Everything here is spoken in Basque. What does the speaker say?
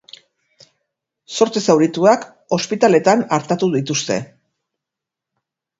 Zortzi zaurituak ospitaletan artatu dituzte.